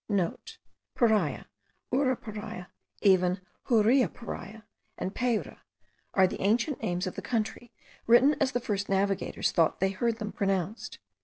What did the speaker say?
(* Paria, Uraparia, even Huriaparia and Payra, are the ancient names of the country, written as the first navigators thought they heard them pronounced.